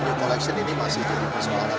reaksinya koleksi ini masih jadi persoalan